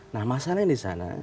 nah masalahnya di sana